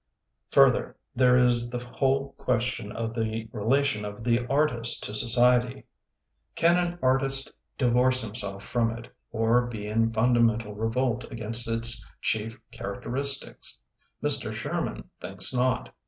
Further, there is the whole question of the re lation of the artist to society. Can an 44 THE BOOKMAN artist divorce himself from it, or be in fundamental revolt against its chief characteristics? Mr. Sherman thinks not.